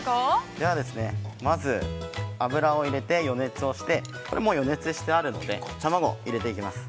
◆ではまず、油を入れて、予熱をして、もう予熱してあるので、卵を入れていきます。